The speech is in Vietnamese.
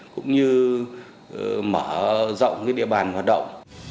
cũng như mở rộng địa bàn